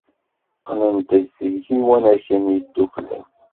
Qqlent-d seg Yiwanaken Yeddukklen.